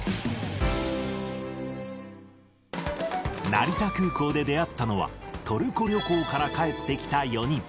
成田空港で出会ったのは、トルコ旅行から帰ってきた４人。